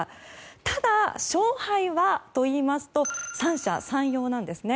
ただ、勝敗はといいますと三者三様なんですね。